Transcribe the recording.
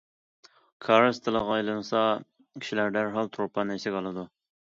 كارىز تىلغا ئېلىنسا كىشىلەر دەرھال تۇرپاننى ئېسىگە ئالىدۇ.